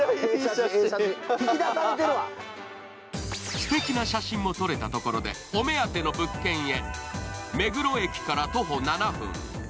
すてきな写真も撮れたところでお目当ての物件へ。